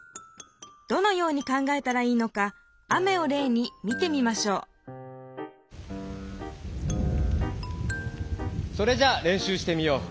どのように考えたらいいのか「雨」をれいに見てみましょうそれじゃあれんしゅうしてみよう。